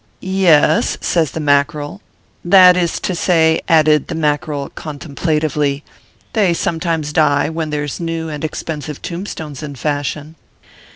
" Yes," says the Mackerel. " That is to say," added the Mackerel, contemplatively, " they some times die when there s new and expensive tombstones in fashion."